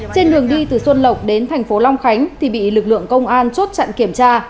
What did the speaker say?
trên đường đi từ xuân lộc đến thành phố long khánh thì bị lực lượng công an chốt chặn kiểm tra